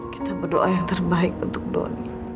kita berdoa yang terbaik untuk doni